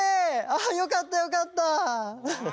あよかったよかった！